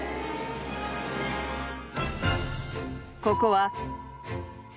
［ここは］